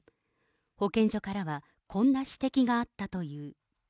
保健所からはこんな指摘があったという。